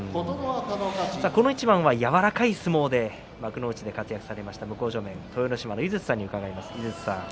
この一番は柔らかい相撲で幕内活躍された豊ノ島の井筒さんに聞きます。